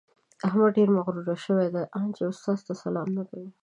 احمد ډېر مغروره شوی دی؛ ان چې خپل استاد ته سلام نه کوي.